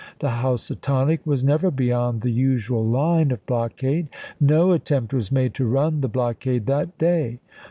The Housatonic was never beyond the usual line of blockade. No attempt was made to run the blockade that day.